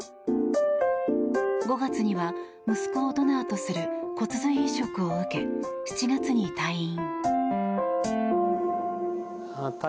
５月には息子をドナーとする骨髄移植を受け、７月に退院。